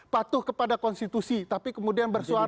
patuh kepada konstitusi tapi kemudian bersuara